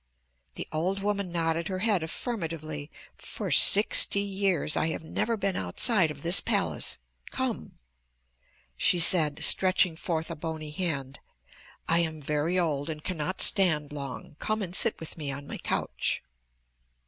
The old woman nodded her head affirmatively. "For sixty years I have never been outside of this palace. Come," she said, stretching forth a bony hand. "I am very old and cannot stand long. Come and sit with me on my couch."